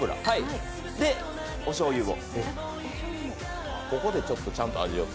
で、おしょうゆを。